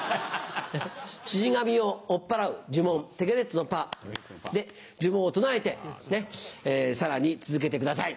死神を追っ払う呪文「テケレッツのパー」で呪文を唱えてさらに続けてください。